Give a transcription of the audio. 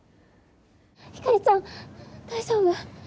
ひかりちゃん大丈夫？